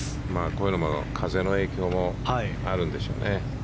こういうのも風の影響もあるんでしょうね。